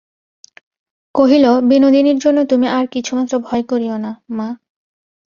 কহিল, বিনোদিনীর জন্য তুমি আর কিছুমাত্র ভয় করিয়ো না, মা।